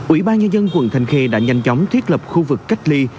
ủy ban nhân dân quận thanh khê đã nhanh chóng thiết lập khu vực cách ly